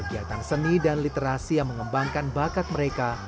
kegiatan seni dan literasi yang mengembangkan bakat mereka